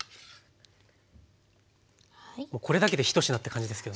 これだけで１品って感じですけどね。